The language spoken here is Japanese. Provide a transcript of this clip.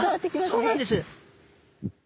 そうなんです。